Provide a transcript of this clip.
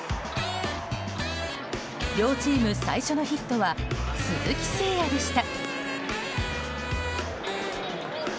両チーム最初のヒットは鈴木誠也でした。